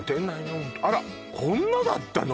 ホントあらこんなだったの？